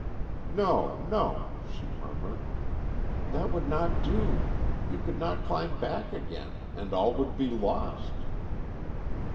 "No, no," she murmured. "That would not do. You could not climb back again, and all would be lost."